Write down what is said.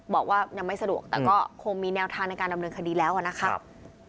บอกว่ายังไม่สะดวกแต่ก็คงมีแนวทางในการดำเนินคดีแล้วนะครับ